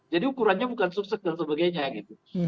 jadi ukurannya bukan sukses dan sebagainya gitu